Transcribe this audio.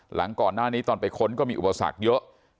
หลังก่อนหน้านี้ตอนไปค้นก็มีอุปสรรคเยอะ